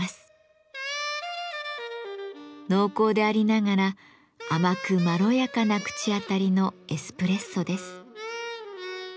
濃厚でありながら甘くまろやかな口当たりのエスプレッソです。